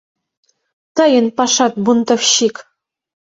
Тыйын пашат, бунтовщик!..